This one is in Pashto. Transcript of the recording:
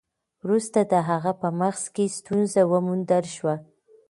وروسته د هغه په مغز کې ستونزه وموندل شوه.